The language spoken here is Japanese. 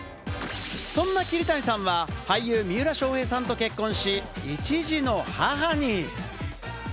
そんな桐谷さんは俳優・三浦翔平さんと結婚し、１児の母に。